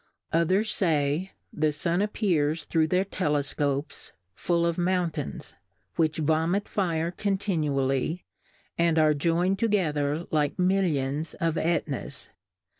Ci thers fay, the Sun appears, through their Telefcopes, full of Mountains, which vomit Fire continually, and are joynM together like Millions of jt.tna's.